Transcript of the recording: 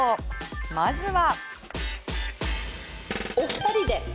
まずは。